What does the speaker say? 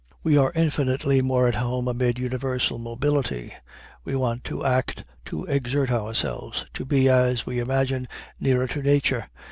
We are infinitely more at home amid universal mobility. We want to act, to exert ourselves, to be, as we imagine, nearer to nature.